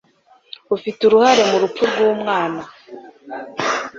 Ufite uruhare mu rupfu rwumwana.